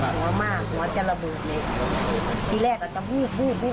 หนูว่ามากหนูว่าจะระเบิดไหมที่แรกอ่ะจะบูบบูบบูบ